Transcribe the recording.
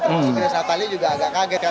termasuk rizal tali juga agak kaget